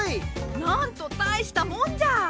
なんと大したもんじゃ。